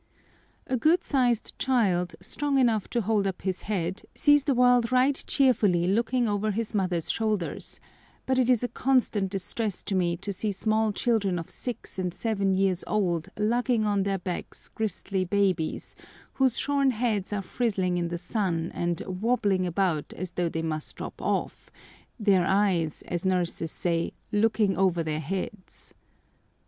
A good sized child, strong enough to hold up his head, sees the world right cheerfully looking over his mother's shoulders, but it is a constant distress to me to see small children of six and seven years old lugging on their backs gristly babies, whose shorn heads are frizzling in the sun and "wobbling" about as though they must drop off, their eyes, as nurses say, "looking over their heads."